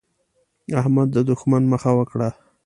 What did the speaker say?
احمد د دوښمن مخه وکړه.